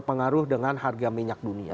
pengaruh dengan harga minyak dunia